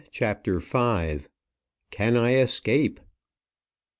CHAPTER V. CAN I ESCAPE?